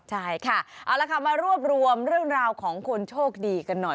ใช่ค่ะเอาละค่ะมารวบรวมเรื่องราวของคนโชคดีกันหน่อย